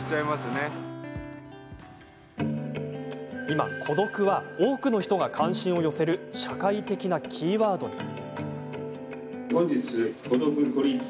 今、孤独は多くの人が関心を寄せる社会的なキーワードに。